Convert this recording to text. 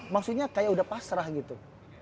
maksudnya kayak udah pasrah gitu